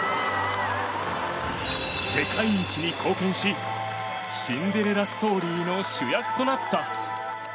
世界一に貢献しシンデレラストーリーの主役となった。